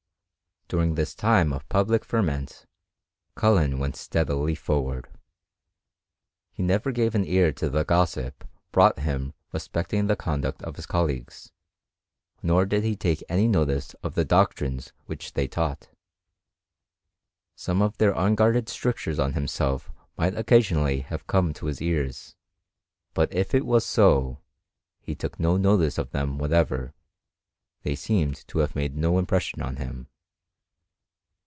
During this time of public ferment Cullen went Steadily forward ; he never gave an ear to the gossip x2 308 HISTORY OP CHEMISTRY. ' brought him respecting the conduct of his colleagues, nor did he take any notice of the doctrines which they taught. Some of their unguarded strictures on him self might occasionally have come to his ears; but if it was so, he took no notice of them whatever; they seemed to have made no impression on him.